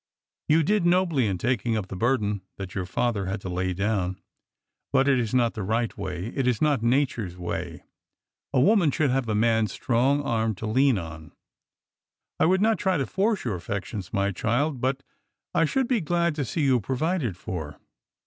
You did nobly in taking up the burden that your father had to lay down, but it is not the right way— it is not Nature's way. A woman should have a man's strong arm to lean on. I would not try to force your affections, my child; but I should be glad to see you provided for.